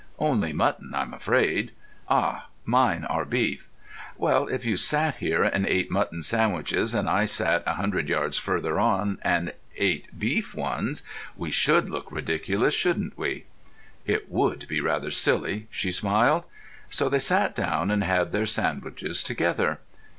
"Only mutton, I'm afraid." "Ah, mine are beef. Well, if you sat here and ate mutton sandwiches and I sat a hundred yards farther on and ate beef ones, we should look ridiculous, shouldn't we?" "It would be rather silly," she smiled. So they sat down and had their sandwiches together.